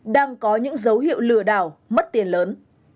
đang có những dấu hiệu lừa đảo mất tiền lớn